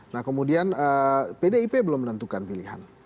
nah kemudian pdip belum menentukan pilihan